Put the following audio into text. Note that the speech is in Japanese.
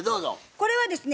これはですね